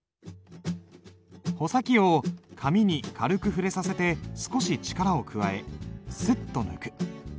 穂先を紙に軽く触れさせて少し力を加えスッと抜く。